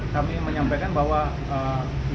kami menyampaikan bahwa ini adalah hal yang sangat penting